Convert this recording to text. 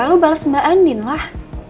lo bales mbak andien lah